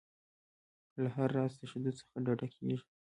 له هر راز تشدد څخه ډډه کیږي.